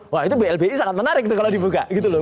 wah itu blbi sangat menarik kalau dibuka gitu loh